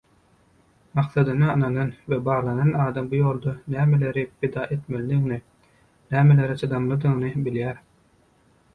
Maksadyna ynanan we baglanan adam bu ýolda nämeleri pida etmelidigini, nämelere çydamalydygyny bilýär.